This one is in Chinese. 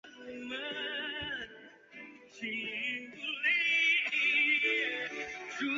维多利亚也研究依据教皇所赠与的头衔宣称占有新发现土地是否正当。